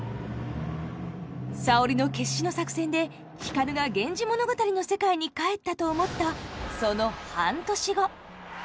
沙織の決死の作戦で光が「源氏物語」の世界に帰ったと思ったその半年後。